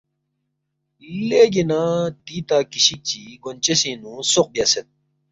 لیگی نہ تیتا کشک چی گونچسینگنو سوق بیاسید